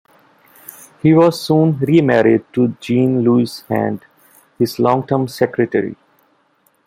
He was soon remarried to Jean-Louise Hand, his long-time secretary.